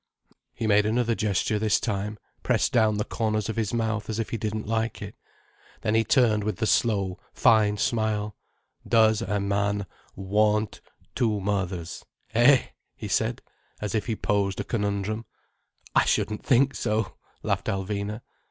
He made another gesture this time: pressed down the corners of his mouth as if he didn't like it. Then he turned with the slow, fine smile. "Does a man want two mothers? Eh?" he said, as if he posed a conundrum. "I shouldn't think so," laughed Alvina.